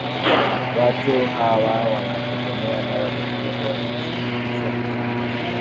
watu hawa wanaotegemea dawa za kulevya hushirikishwa katika